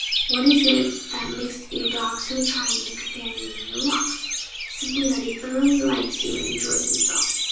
What is it that makes your dog so charming a companion in your walks? Simply that he thoroughly likes you and enjoys himself.